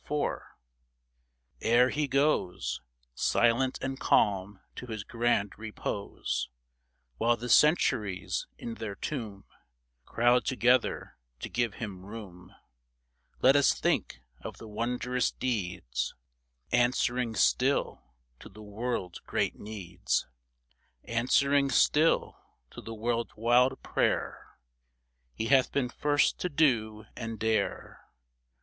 IV, Ere he goes Silent and calm to his grand repose — While the Centuries in their tomb Crowd together to give him room, Let us think of the wondrous deeds ' Answering still to the world's great needs, Answering still to the world's wild prayer, He hath been first to do and dare